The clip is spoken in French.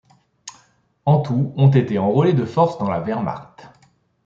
En tout, ont été enrôlés de force dans la Wehrmacht.